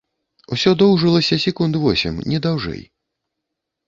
Усё доўжылася секунд восем, не даўжэй.